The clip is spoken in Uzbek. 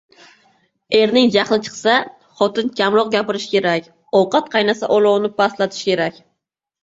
• Erning jahli chiqsa, xotin kamroq gapirishi kerak, ovqat qaynasa olovni pastlatish kerak.